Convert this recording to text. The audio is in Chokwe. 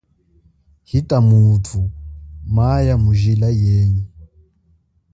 Ita muthu maya mujila yenyi.